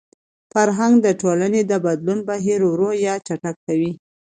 فرهنګ د ټولني د بدلون بهیر ورو يا چټک کوي.